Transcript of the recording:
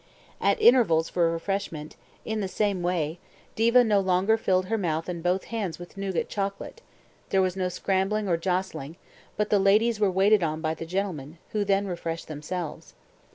At intervals for refreshment, in the same way, Diva no longer filled her mouth and both hands with nougat chocolate; there was no scrambling or jostling, but the ladies were waited on by the gentlemen, who then refreshed themselves.